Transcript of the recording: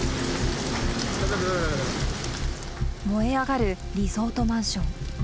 燃え上がるリゾートマンション。